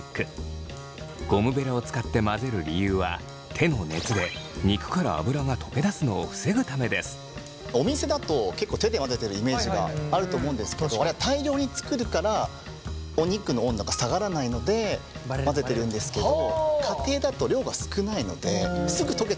ゴムベラを使って混ぜる理由は手の熱でお店だと結構手で混ぜてるイメージがあると思うんですけどあれは大量に作るからお肉の温度が下がらないので混ぜてるんですけど家庭だと量が少ないのですぐ溶けちゃうんですね